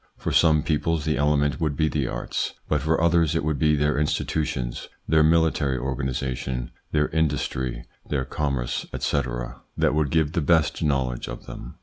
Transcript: For some peoples the element would be the arts, but for others it would be their institutions, their military organisa tion, their industry, their commerce, etc., that would ITS INFLUENCE ON THEIR EVOLUTION 65 give us the best knowledge of them.